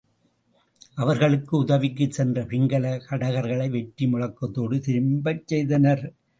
அவர்களும் உதவிக்குச் சென்று பிங்கல கடகர்களை வெற்றி முழக்கத்தோடு திரும்பச் செய்தனர்.